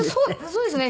そうですね。